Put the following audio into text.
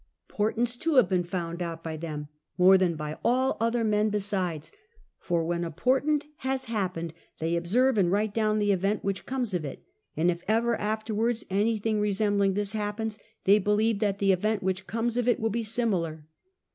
Portents too have been found out by them more than by all other men besides; for when a portent has happened, they observe and write down the event which comes of it, and if ever afterwards anything resembling this happens, they believe that the event which comes of it will be similar.